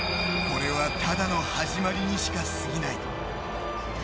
これはただの始まりにしか過ぎない。